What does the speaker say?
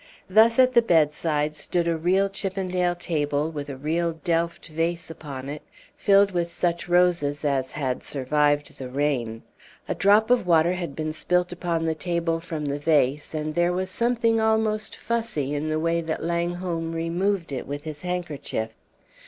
Thus at the bedside stood a real Chippendale table, with a real Delft vase upon it, filled with such roses as had survived the rain. A drop of water had been spilt upon the table from the vase, and there was something almost fussy in the way that Langholm removed it with his handkerchief.